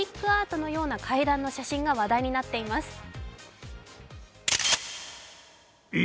アートのような階段の写真が話題となっています。